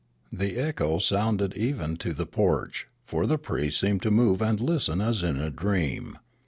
The echo sounded even to the porch ; for the priests seemed to move and listen as in a dream.